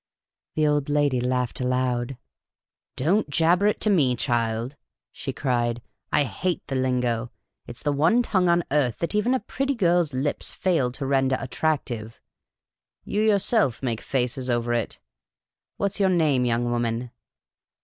'' The old lady laughed aloud. " Don't jabber it to me, child," she cried. " I hate the lingo. It 's the one tongue on earth that even a pretty girl's lips fail to render attractive. You yourself make faces ovei it. What 's your name, young woman